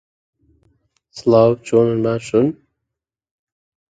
چوو کلیلێکی هێنا و نووسراوی سەر پێستە ئاسکی دەرێنان